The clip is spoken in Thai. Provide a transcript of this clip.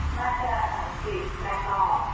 มาเจออันสุดได้ต่อ